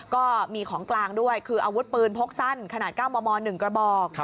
ก็มีของกลางด้วยคืออาวุธปืนพกสั้นขนาด๙มม๑กระบอก